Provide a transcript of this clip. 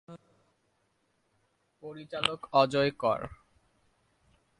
পরিচালক অজয় কর।